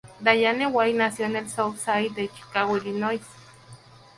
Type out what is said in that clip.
Dwyane Wade nació en el South Side de Chicago, Illinois.